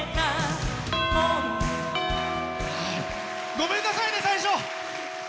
ごめんなさいね、最初。